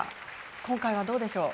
今回はどうでしょう？